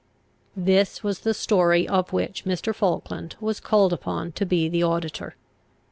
This was the story of which Mr. Falkland was called upon to be the auditor.